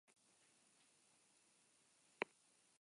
Batzuetan amorrazioak belarrietan gora egiten dit ihes.